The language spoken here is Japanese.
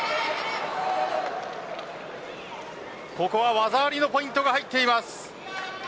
ここは技ありのポイントが入っています。